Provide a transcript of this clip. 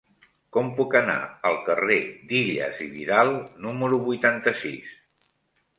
Com puc anar al carrer d'Illas i Vidal número vuitanta-sis?